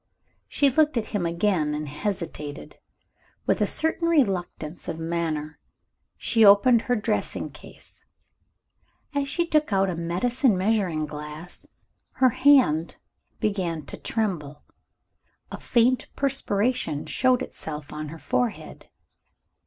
She looked at him again and hesitated. With a certain reluctance of manner, she opened her dressing case. As she took out a medicine measuring glass, her hand began to tremble. A faint perspiration showed itself on her forehead.